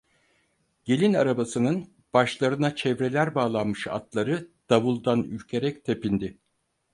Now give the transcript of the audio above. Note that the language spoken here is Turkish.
Gelin arabasının, başlarına çevreler bağlanmış atları davuldan ürkerek tepindi.